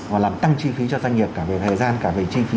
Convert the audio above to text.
và làm tăng chi phí cho doanh nghiệp cả về thời gian cả về chi phí